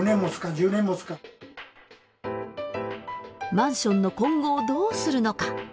マンションの今後をどうするのか。